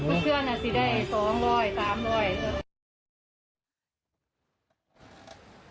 คุณเพื่อนน่ะสิได้๒๐๐๓๐๐เท่าไหร่